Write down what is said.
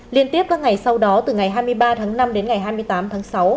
liên tiếp các ngày sau đó từ ngày hai mươi ba tháng năm đến ngày hai mươi tám tháng sáu